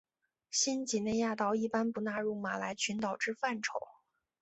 新几内亚岛一般不纳入马来群岛之范畴。